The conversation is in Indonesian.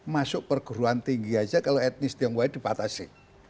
masuk perguruan tinggi aja kalau etnis tionghoanya dipatasi